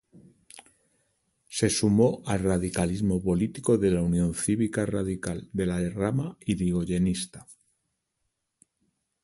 Se sumó al radicalismo político de la Unión Cívica Radical, de la rama yrigoyenista.